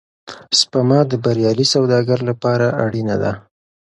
سپما د بریالي سوداګر لپاره اړینه ده.